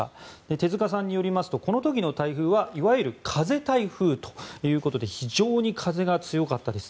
手塚さんによりますとこの時の台風はいわゆる風台風ということで非常に風が強かったです。